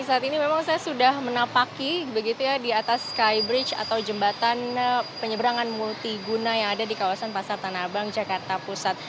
saat ini memang saya sudah menapaki di atas skybridge atau jembatan penyeberangan multiguna yang ada di kawasan pasar tanah abang jakarta pusat